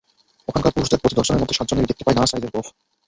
ওখানকার পুরুষদের প্রতি দশজনের মধ্যে সাতজনেরই দেখতে পাই নানা সাইজের গোঁফ।